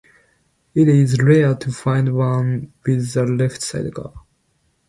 It is rare to find one with a left sidecar.